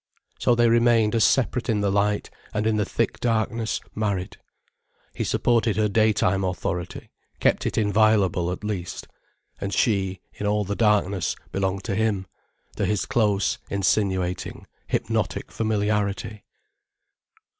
So they remained as separate in the light, and in the thick darkness, married. He supported her daytime authority, kept it inviolable at last. And she, in all the darkness, belonged to him, to his close, insinuating, hypnotic familiarity.